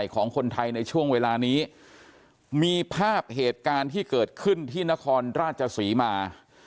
ของคนไทยในช่วงเวลานี้มีภาพเหตุการณ์ที่เกิดขึ้นที่นครราชศรีมา